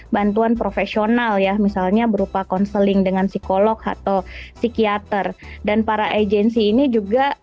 bantuan profesional ya misalnya berupa konseling dengan psikolog atau psikiater dan para agensi ini juga